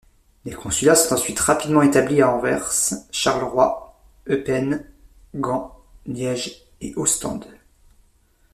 Les consulats sont ensuite rapidement établis à Anvers, Charleroi, Eupen, Gand, Liège et Ostende.